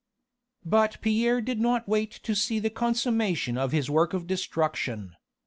But Pierre did not wait to see the consummation of his work of destruction.